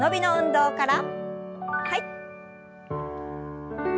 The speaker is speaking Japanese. はい。